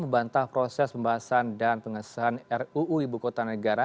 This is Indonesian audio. membantah proses pembahasan dan pengesahan ruu ibu kota negara